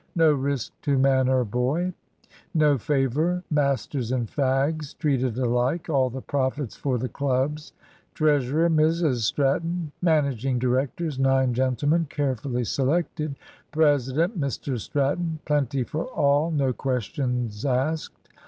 No risk to man or boy. No favour. Masters and fags treated alike. All the profits for the clubs. Treasurer, Mrs Stratton. Managing directors, Nine gentlemen, Carefully Selected. President, Mr Stratton. Plenty for all. No questions asked.